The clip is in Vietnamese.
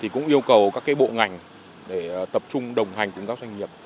cũng yêu cầu các bộ ngành tập trung đồng hành với các doanh nghiệp